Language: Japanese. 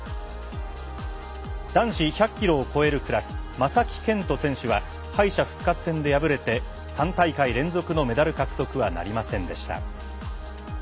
男子１００キロを超えるクラス正木健人選手は敗者復活戦で敗れて３大会連続のメダル獲得はなりませんでした。